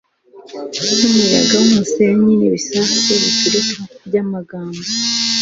nkumuyaga wumusenyi nibisasu biturika byamagambo ,,